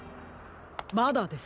まだです。